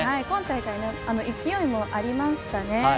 今大会、勢いもありましたね。